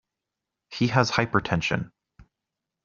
He has hypertension.